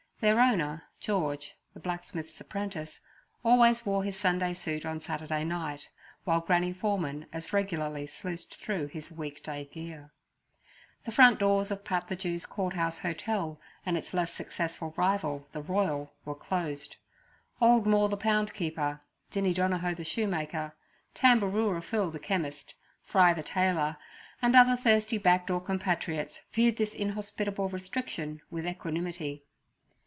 Their owner, George, the blacksmith's apprentice, always wore his Sunday suit on Saturday night, while Granny Foreman as regularly sluiced through his week day gear. The front doors of Pat the Jew's Courthouse Hotel and its less successful rival, the Royal, were closed. Old Moore the pound keeper, Dinnie Donahoe the shoemaker, Tambaroora Phil the chemist, Fry the tailor, and other thirsty back door compatriots, viewed this inhospitable restriction with equanimity.